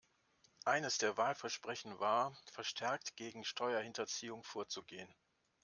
Eines der Wahlversprechen war, verstärkt gegen Steuerhinterziehung vorzugehen.